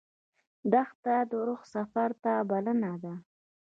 دښته د روح سفر ته بلنه ده.